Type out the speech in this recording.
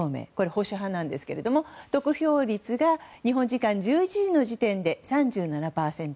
保守派なんですが、得票率が日本時間１１時の時点で３７％。